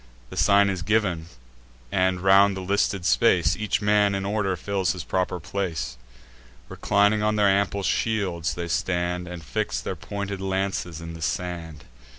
The sign is giv'n; and, round the listed space, Each man in order fills his proper place. Reclining on their ample shields, they stand, And fix their pointed lances in the sand.